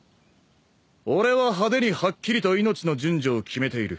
俺は派手にはっきりと命の順序を決めている。